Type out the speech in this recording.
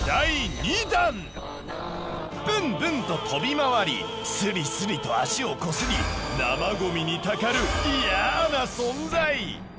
ブンブンと飛び回りスリスリと足をこすり生ゴミにたかるイヤな存在。